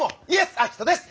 アキトです！